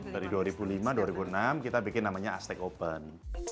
dari dua ribu lima dua ribu enam kita bikin namanya astek open